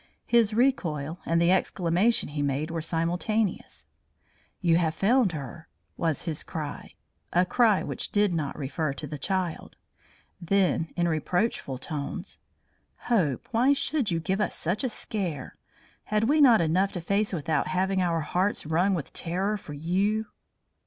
His recoil and the exclamation he made were simultaneous. "You have found her!" was his cry, a cry which did not refer to the child. Then in reproachful tones: "Hope, why should you give us such a scare? Had we not enough to face without having our hearts wrung with terror for you?"